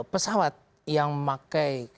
pesawat yang pakai